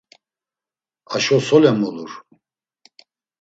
Aşo solen mulur?